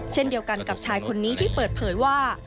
เช่นเดียวกันกับชายคนนี้ที่เปิดเผยว่า